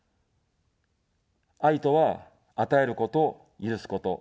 愛とは与えること、許すこと。